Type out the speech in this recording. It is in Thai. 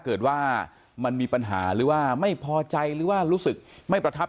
เกิดว่ามันมีปัญหาหรือว่าไม่พอใจหรือว่ารู้สึกไม่ประทับ